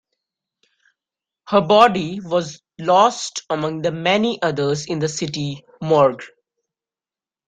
Her body was lost among the many others in the city morgue.